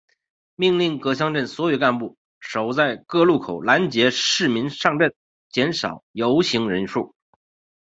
命令各乡镇所有干部守在各路口阻拦市民上镇减少游行人数。